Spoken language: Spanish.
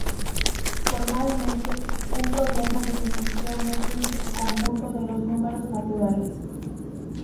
Formalmente, un problema de decisión es un subconjunto de los números naturales.